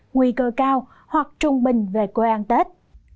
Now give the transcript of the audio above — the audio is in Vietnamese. nguy cơ cao hoặc trung bình về quê ăn tết